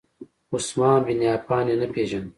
عثمان بن عفان یې نه پیژاند.